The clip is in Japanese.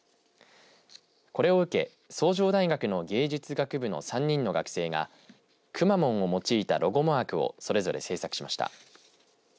これを受け、崇城大学の芸術学部の３人の学生がくまモンを用いたロゴマークをそれぞれ制作しました。